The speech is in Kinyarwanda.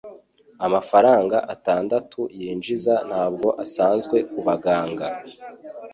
Amafaranga atandatu yinjiza ntabwo asanzwe kubaganga.